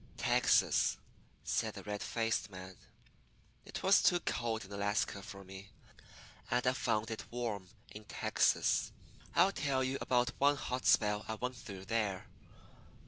"Texas," said the red faced man. "It was too cold in Alaska for me. And I found it warm in Texas. I'll tell you about one hot spell I went through there.